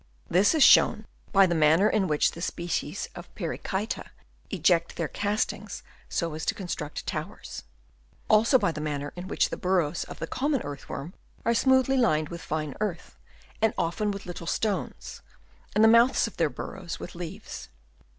This is shown by the manner in which the species of Perichseta eject their castings, so as to construct towers; also by the manner in which the burrows of the common earth worm are smoothly lined with fine earth and often with little stones, and the mouths of their burrows with leaves.